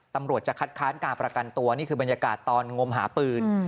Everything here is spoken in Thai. ตำรวจจะคัดค้านการประกันตัวนี่คือบรรยากาศตอนงมหาปืน